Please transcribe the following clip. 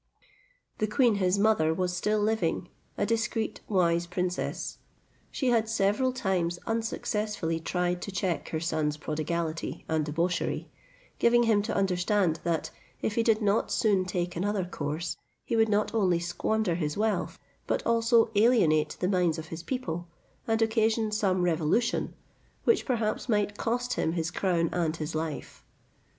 The queen his mother was still living, a discreet, wise princess. She had several times unsuccessfully tried to check her son's prodigality and debauchery, giving him to understand, that, if he did not soon take another course, he would not only squander his wealth, but also alienate the minds of his people, and occasion some revolution, which perhaps might cost him his crown and his life.